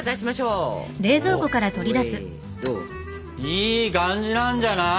いい感じなんじゃない？